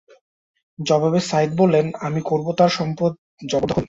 জবাবে সাঈদ বললেন, আমি করবো তার সম্পদ জবরদখল?